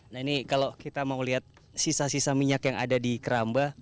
nah ini kalau kita mau lihat sisa sisa minyak yang ada di keramba